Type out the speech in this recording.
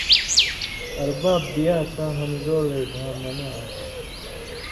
ارباب بیا تاں ہمزولئ دھا منہ آن٘س